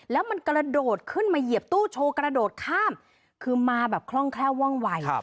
แล้วมันกระโดดขึ้นมาเหยียบตู้โชว์กระโดดข้ามคือมาแบบคล่องแคล่วว่องวัย